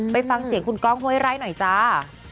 ไปฟังเสียงคุณก้องห้วยไร่หน่อยจ้า